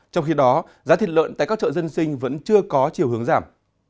trong khi đó giá thịt lợn tại các chợ dân sinh vẫn chưa có chiều hướng giảm